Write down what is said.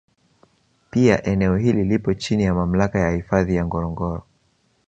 Pia eneo hili lipo chini ya Mamlaka ya Hifadhi ya Ngorongoro